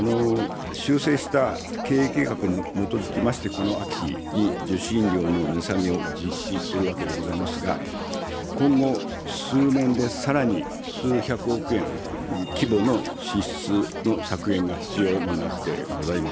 修正した経営計画に基づきまして、この秋に受信料の値下げを実施するわけでございますが、今後数年で、さらに数百億円規模の支出の削減が必要になってございます。